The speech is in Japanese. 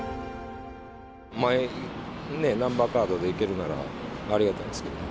マイナンバーカードでいけるならありがたいですけどね。